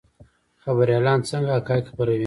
خبریالان څنګه حقایق خپروي؟